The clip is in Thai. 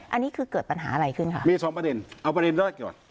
อันนี้คือเกิดปัญหาอะไรขึ้นค่ะมีสองประเด็นเอาประเด็นแรกก่อน